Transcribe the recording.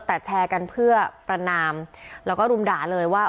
แต่แชร์กันเพื่อประนามแล้วก็รุมด่าเลยว่า